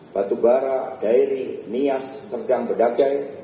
batubara daeri nias sergang bedakai